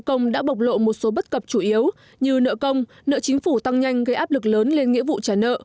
công đã bộc lộ một số bất cập chủ yếu như nợ công nợ chính phủ tăng nhanh gây áp lực lớn lên nghĩa vụ trả nợ